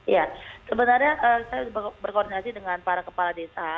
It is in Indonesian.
ya sebenarnya saya berkoordinasi dengan para kepala desa